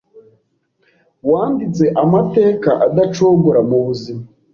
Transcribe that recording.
wanditse amateka adacogora mu buzima